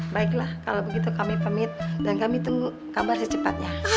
baiklah kalau begitu kami pamit dan kami tunggu kabar secepatnya